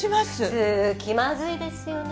普通気まずいですよね。